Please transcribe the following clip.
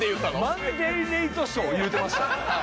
「マンデーレイトショー」言うてました。